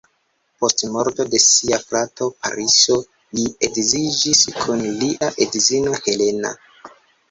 Post morto de sia frato Pariso li edziĝis kun lia edzino Helena.